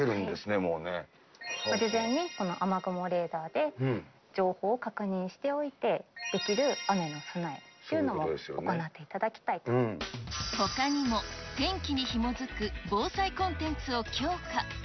事前にこの雨雲レーダーで情報を確認しておいて、できる雨への備えというのも行っていただきほかにも天気にひもづく防災コンテンツを強化。